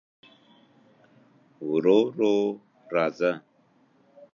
ورو ورو راځه